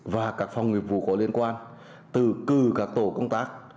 và các phòng nghiệp vụ có liên quan từ cử các tổ công tác